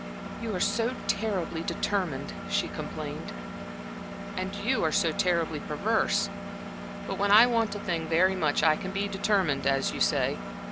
"You are so terribly determined," she complained. "And you are so terribly perverse! But when I want a thing very much, I can be determined, as you say.